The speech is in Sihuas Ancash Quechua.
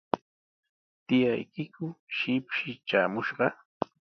¿Tiyaykiku shipshi traamushqa?